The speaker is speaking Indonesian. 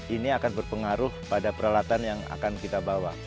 ini akan berpengaruh pada peralatan yang akan kita bawa